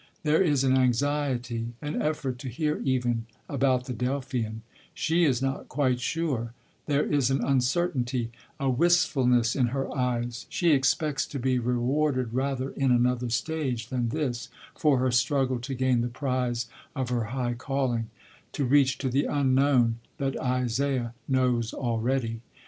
There is an anxiety, an effort to hear even, about the Delphian; she is not quite sure; there is an uncertainty, a wistfulness in her eyes; she expects to be rewarded rather in another stage than this for her struggle to gain the prize of her high calling, to reach to the Unknown that Isaiah knows already.